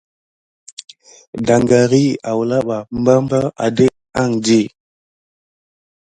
Daŋgar iki awula ɓa barbar adéke andi.